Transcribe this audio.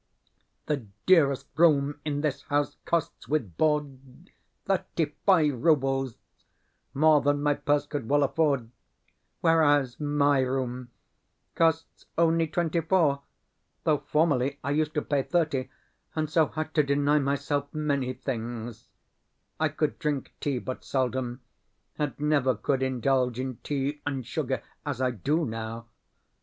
The dearest room in this house costs, with board, thirty five roubles more than my purse could well afford; whereas MY room costs only twenty four, though formerly I used to pay thirty, and so had to deny myself many things (I could drink tea but seldom, and never could indulge in tea and sugar as I do now).